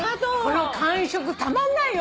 この感触たまんないよ。